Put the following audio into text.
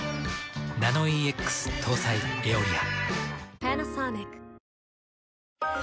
ナノイーＸ搭載「エオリア」。